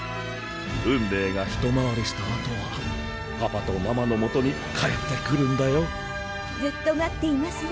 運命がひと回りしたあとはパパとママのもとに帰ってくるんだよずっと待っていますよ